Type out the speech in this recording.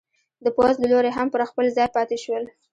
د پوځ له لوري هم پر خپل ځای پاتې شول.